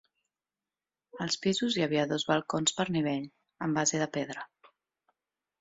Als pisos hi havia dos balcons per nivell, amb base de pedra.